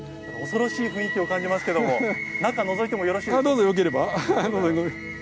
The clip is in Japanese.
恐ろしい雰囲気を感じますけども中のぞいてもよろしいですか。